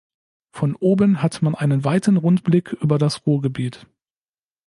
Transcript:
Von oben hat man einen weiten Rundblick über das Ruhrgebiet.